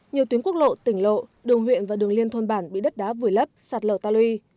nhiều tuyến quốc lộ tỉnh lộ đường huyện và đường liên thôn bản bị đất đá vùi lấp sạt lở ta lui